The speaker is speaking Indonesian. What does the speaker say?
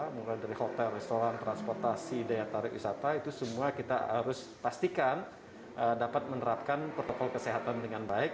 mulai dari hotel restoran transportasi daya tarik wisata itu semua kita harus pastikan dapat menerapkan protokol kesehatan dengan baik